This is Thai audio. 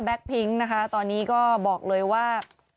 พิ้งนะคะตอนนี้ก็บอกเลยว่า